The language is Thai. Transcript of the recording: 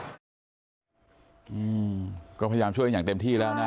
เปิดประตูไม่ออกก็พยายามช่วยอย่างเต็มที่แล้วนะ